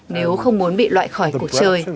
nếu không muốn bị loại khỏi cuộc chơi